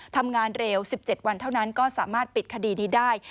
ทำงานเร็ว๑๗วันเท่านั้นก็สามารถปิดคดีนี้ได้